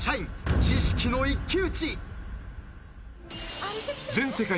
知識の一騎打ち！